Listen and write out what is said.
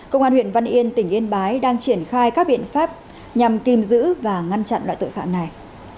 công an huyện văn yên tỉnh yên bái đang triển khai các biện pháp nhằm tìm giữ và ngăn chặn loại tội phạm này